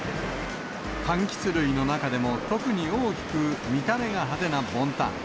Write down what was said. かんきつ類の中でも特に大きく見た目が派手なボンタン。